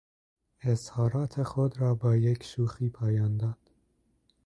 اظهارات خود را با یک شوخی پایان داد.